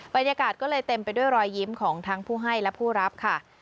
บรรยากาศก็เลยเต็มไปด้วยรอยยิ้มของทั้งผู้ให้และผู้รับค่ะ